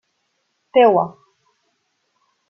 Teva.